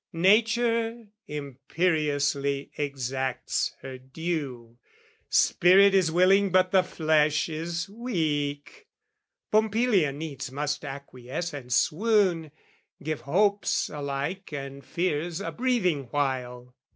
Nature imperiously exacts her due, Spirit is willing but the flesh is weak, Pompilia needs must acquiesce and swoon, Give hopes alike and fears a breathing while.